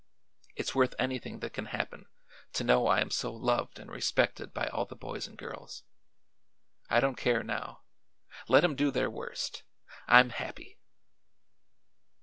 It's worth anything that can happen to know I am so loved and respected by all the boys and girls. I don't care, now. Let 'em do their worst. I'm happy!"